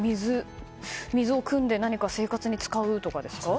水をくんで何か生活に使うとかですか？